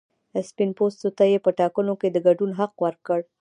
سپین پوستو ته یې په ټاکنو کې د ګډون حق ورکړ.